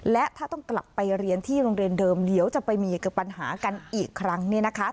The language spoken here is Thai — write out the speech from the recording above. และถ้าต้องกลับไปเรียนที่โรงเรียนเดิมเดี๋ยวจะไปมีปัญหากันอีกครั้ง